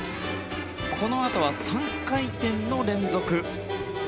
このあとは３回転の連続。